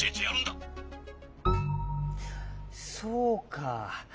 そうか。